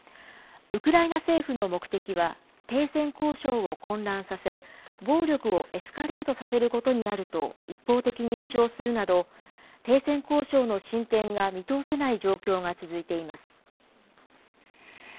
ウクライナ政府の目的は、停戦交渉を混乱させ、暴力をエスカレートさせることにあると一方的に主張するなど、停戦交渉の進展が見通せない状況が続いています。